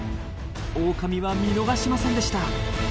オオカミは見逃しませんでした。